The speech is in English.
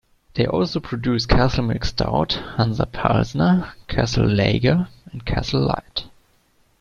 They also produce Castle milk stout, Hansa Pilsner, Castle Lager and Castle Lite.